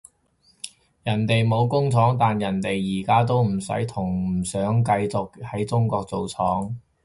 人哋冇工廠，但人哋而家都唔使同唔想繼續喺中國做廠